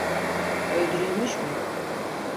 Öldürülmüş mü?